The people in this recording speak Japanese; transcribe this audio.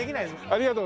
ありがとう。